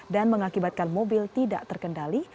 dan mengakibatkan mobil tidak terkendali